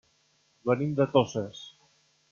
Venim de Toses.